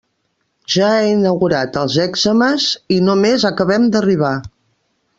Ja he inaugurat els èczemes, i només acabem d'arribar.